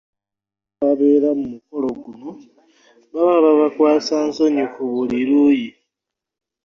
Abantu bonna ababeera mu mukolo guno baba babakwasa nsonyi ku buli luuyi.